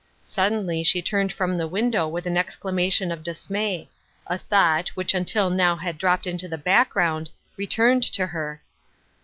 Sud denly she turned from the window with an ex clamation of dismay — a thought, which until now had dropped into the background, returned to her.